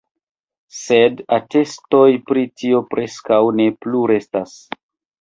Sed atestoj pri tio preskaŭ ne plu restas.